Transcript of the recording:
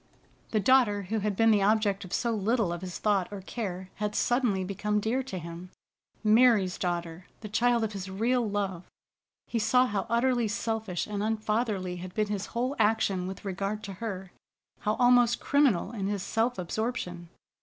The daughter who had been the object of so little of his thought or care had suddenly become dear to him. Mary's daughter, the child of his real love! He saw how utterly selfish and unfatherly had been his whole action with regard to her; how almost criminal in his self absorption.